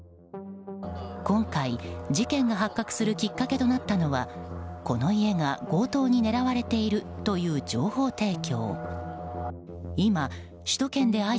今回、事件が発覚するきっかけとなったのはこの家が強盗に狙われているという情報提供。